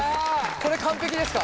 これ完璧ですか？